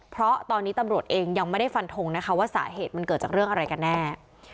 เพราะตอนนี้ตำรวจเองยังไม่ได้ฟันทงนะคะว่าสาเหตุมันเกิดจากเรื่องอะไรกันแน่